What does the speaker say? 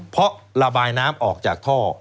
เพราะระบายน้ำออกจากท่อ